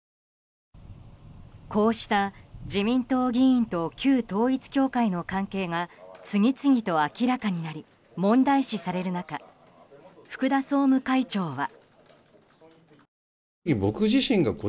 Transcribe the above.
こうした自民党議員と旧統一教会の関係が次々と明らかになり問題視される中福田総務会長は。